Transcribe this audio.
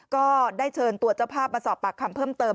ก็ได้เชิญตัวเจ้าภาพมาสอบปากคำเพิ่มเติม